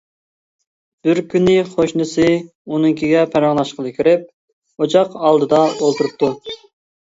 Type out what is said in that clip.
بىر كۈنى قوشنىسى ئۇنىڭكىگە پاراڭلاشقىلى كىرىپ، ئوچاق ئالدىدا ئولتۇرۇپتۇ.